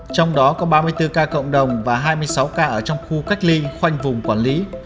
trong đó có ba mươi bốn ca cộng đồng và hai mươi sáu ca ở trong khu cách ly khoanh vùng quản lý